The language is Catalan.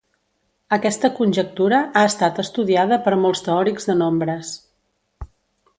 Aquesta conjectura ha estat estudiada per molts teòrics de nombres.